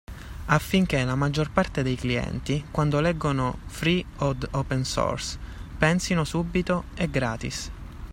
Affinché la maggior parte dei clienti quando leggono free od open source pensino subito “È gratis!”.